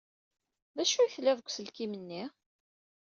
D acu ay tlid deg uselkim-nni?